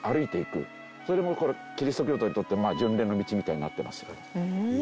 それもキリスト教徒にとって巡礼の道みたいになってますよ。